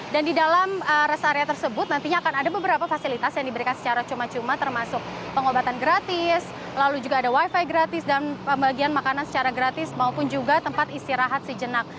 di dalam rest area tersebut nantinya akan ada beberapa fasilitas yang diberikan secara cuma cuma termasuk pengobatan gratis lalu juga ada wifi gratis dan pembagian makanan secara gratis maupun juga tempat istirahat sejenak